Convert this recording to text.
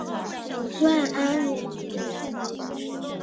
万安人。